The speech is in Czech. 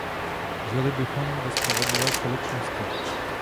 Žili bychom ve spravedlivé společnosti.